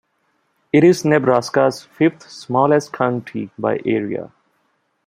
It is Nebraska's fifth-smallest county by area.